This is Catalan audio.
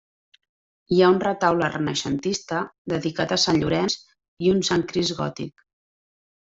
Hi ha un retaule renaixentista dedicat a Sant Llorenç i un santcrist gòtic.